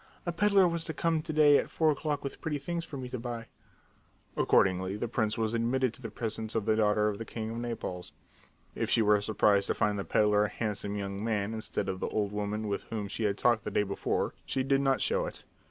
"A peddler was to come to day at four o'clock with pretty things for me to buy." Accordingly, the prince was admitted to the presence of the daughter of the king of Naples. If she were surprised to find the peddler a handsome young man instead of the old woman with whom she had talked the day before she did not show it.